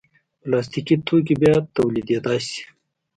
پلاستيکي توکي بیا تولیدېدای شي.